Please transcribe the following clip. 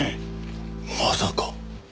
まさか。